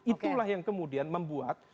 itulah yang kemudian membuat